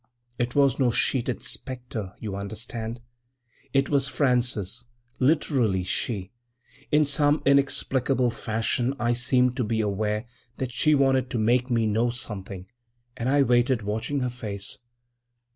It was no sheeted specter, you understand; it was Frances, literally she. In some inexplicable fashion I seemed to be aware that she wanted to make me know something, and I waited, watching her face.